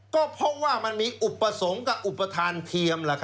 ก็เพราะว่ามันมีอุปสรรคกับอุปทานเทียม